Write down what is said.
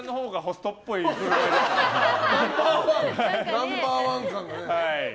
ナンバー１感がね。